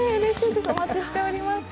お待ちしております。